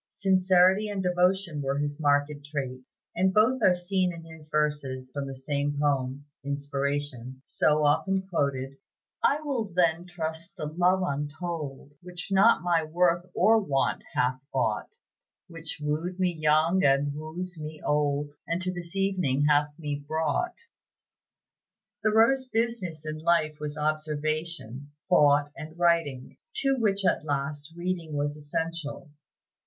Sincerity and devotion were his most marked traits; and both are seen in his verses from the same poem ("Inspiration") so often quoted: "I will then trust the love untold Which not my worth or want hath bought, Which wooed me young and wooes me old, And to this evening hath me brought." Thoreau's business in life was observation, thought, and writing, to which last, reading was essential.